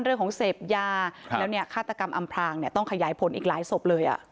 เรื่องของเสพยาแล้วเนี่ยฆาตกรรมอำพลางเนี่ยต้องขยายผลอีกหลายศพเลยอ่ะ